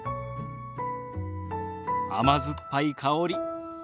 甘酸っぱい香り。